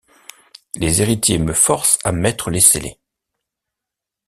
Les héritiers me forcent à mettre les scellés...